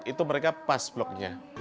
itu mereka pas block nya